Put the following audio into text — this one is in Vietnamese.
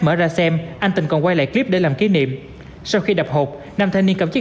mở ra xem anh tình còn quay lại clip để làm kỷ niệm sau khi đập hộp nam thanh niên cầm chiếc